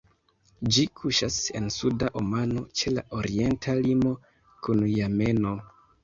Ĝi kuŝas en Suda Omano, ĉe la orienta limo kun Jemeno.